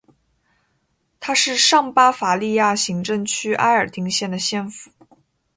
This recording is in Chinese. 它是上巴伐利亚行政区埃尔丁县的县府。